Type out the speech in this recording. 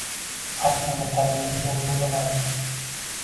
Hali bizlarni tanimaydigan bo`ldilaringmi